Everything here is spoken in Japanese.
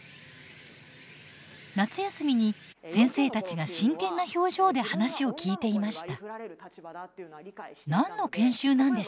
夏休みに先生たちが真剣な表情で話を聞いていました。